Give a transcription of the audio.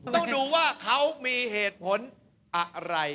ต้องดูว่าเขามีเหตุผลอะไร